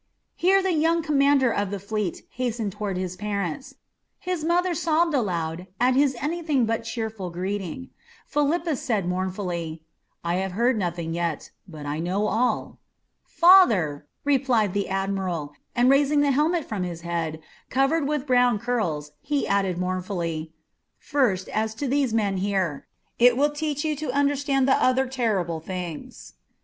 Here the young commander of the fleet hastened toward his parents. His mother sobbed aloud at his anything but cheerful greeting; Philippus said mournfully, "I have heard nothing yet, but I know all." "Father," replied the admiral, and raising the helmet from his head, covered with brown curls, he added mournfully: "First as to these men here. It will teach you to understand the other terrible things.